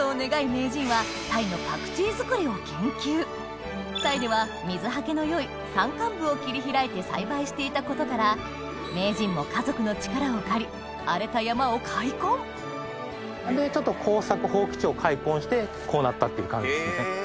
名人はタイでは水はけの良い山間部を切り開いて栽培していたことから名人も家族の力を借り荒れた山を開墾こうなったっていう感じですね。